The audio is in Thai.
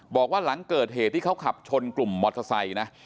บอกว่าหลังเกิดเหตุที่เขาขับชนกลุ่มมอเตอร์ไซค์นะ